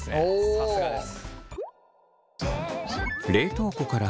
さすがです。